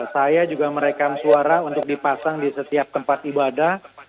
saya juga merekam suara untuk dipasang di setiap tempat ibadah